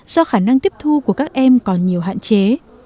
do khả năng tiếp thu của các em còn nhiều hạn chế